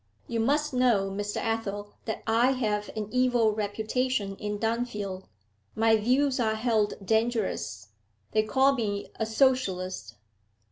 You must know, Mr. Athel, that I have an evil reputation in Dunfield; my views are held dangerous; they call me a socialist.